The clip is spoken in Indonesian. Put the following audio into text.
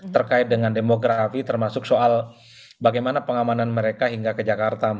terkait dengan demografi termasuk soal bagaimana pengamanan mereka hingga ke jakarta